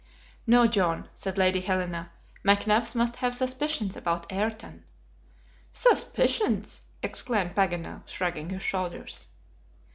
"No, John," said Lady Helena. "McNabbs must have suspicions about Ayrton." "Suspicions!" exclaimed Paganel, shrugging his shoulders.